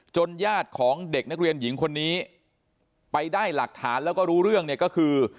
ญาติของเด็กนักเรียนหญิงคนนี้ไปได้หลักฐานแล้วก็รู้เรื่องเนี่ยก็คือ